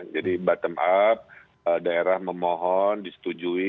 jadi bottom up daerah memohon disetujui